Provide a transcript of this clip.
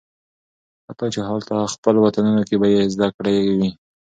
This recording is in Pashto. حتی چې هالته خپل وطنونو کې به یې زده کړې وي